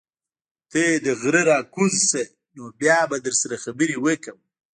ته د غرۀ نه راکوز شه نو بيا به در سره خبرې وکړم